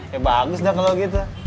ya bagus dah kalau gitu